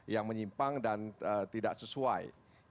yang menyimpang dan tidak sesuai